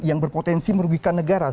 yang berpotensi merugikan negara